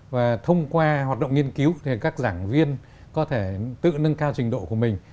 và thông qua hoạt động nghiên cứu thì các giảng viên có thể tự nâng cao trình độ của mình